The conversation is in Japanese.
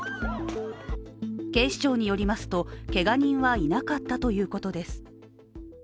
警視庁によりますとけが人はいなかったということです。